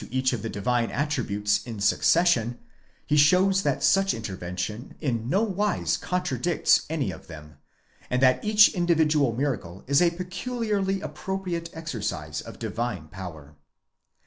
each of the divine attributes in succession, he shows that such intervention in nowise contradicts any of them; and that each individual miracle is a peculiarly appropriate exercise of divine power.